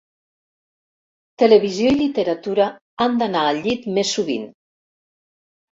Televisió i literatura han d'anar al llit més sovint.